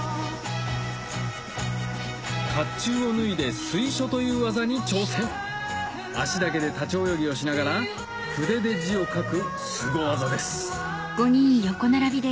甲冑を脱いで水書という技に挑戦足だけで立ち泳ぎをしながら筆で字を書くすご技です